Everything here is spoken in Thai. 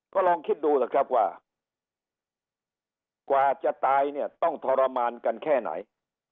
ก็ลองคิดดูแต่ครับว่าถ้าจะตายต้องทรมานกันแค่ไหน